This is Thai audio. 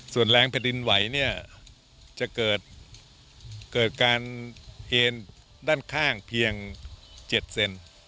ส่วนแรงพระดินไหวจะเกิดการเอนด้านข้างเพียง๗เซนติเซนติเซน